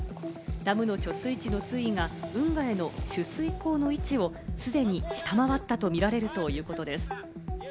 ダムの貯水池の水位が運河への取水口の位置を既に下回ったとみられるということです。